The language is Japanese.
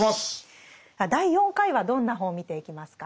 第４回はどんな本を見ていきますか？